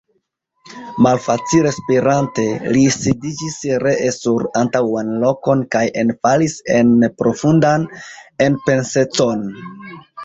Malfacile spirante, li sidiĝis ree sur antaŭan lokon kaj enfalis en profundan enpensecon.